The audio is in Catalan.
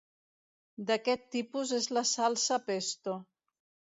D'aquest tipus és la salsa Pesto.